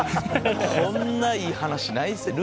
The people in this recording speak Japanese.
こんないい話ないっすよ。